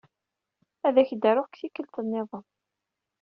Ad ak-d-aruɣ deg tikkelt nniḍen